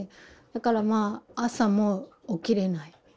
だからまあ朝も起きれない。